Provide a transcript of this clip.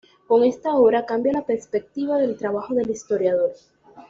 Con esta obra cambia la perspectiva del trabajo del historiador.